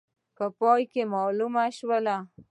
په پای کې معلومه شول.